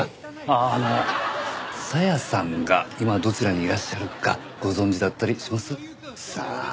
あの紗矢さんが今どちらにいらっしゃるかご存じだったりします？さあ。